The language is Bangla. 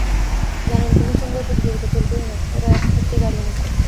জানে কুমুর সঙ্গে ওর প্রতিযোগিতা চলবেই না, ওরা এক ক্ষেত্রে দাঁড়িয়ে নেই।